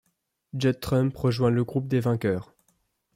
Judd Trump rejoint le groupe des vainqueurs.